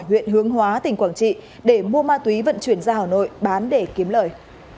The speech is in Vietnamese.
huyện hướng hóa tỉnh quảng trị để mua ma túy vận chuyển ra hà nội bán để kiếm lời